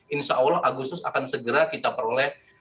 insya allah agustus akan segera kita peroleh